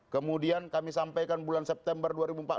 kemudian kami sampaikan bulan september dua ribu empat belas